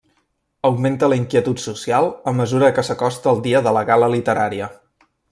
Augmenta la inquietud social a mesura que s'acosta el dia de la gala literària.